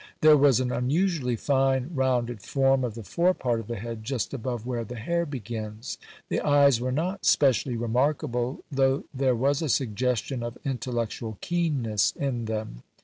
There was an unusually fine rounded form of the fore part of the head just above where the hair begins. The eyes were not specially remarkable, though there was a suggestion of intellectual keenness in them.